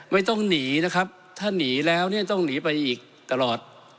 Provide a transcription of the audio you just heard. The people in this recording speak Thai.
ไม่ต้องหนีนะครับถ้าหนีแล้วเนี่ยต้องหนีไปอีกตลอด